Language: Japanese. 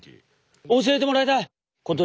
教えてもらいたい。